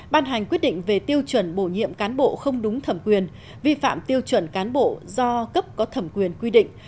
ban hành quyết định về tiêu chuẩn bổ nhiệm cán bộ không đúng thẩm quyền vi phạm tiêu chuẩn cán bộ do cấp có thẩm quyền quy định